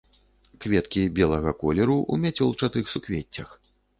Кветкі белага колеру, у мяцёлчатых суквеццях.